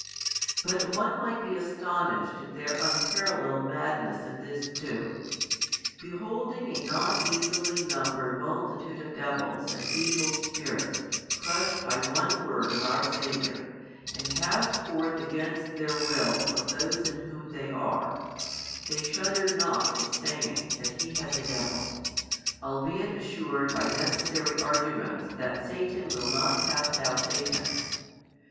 But one might be astonished at their unparallelled madness in this too. Beholding a not easily numbered multitude of devils and evil spirits crushed by one word of our Saviour and cast forth against their will from those in whom they are, they shudder not at saying that He has a devil, albeit assured by necessary arguments that Satan will not cast out Satan.